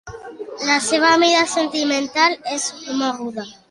La seva vida sentimental és moguda.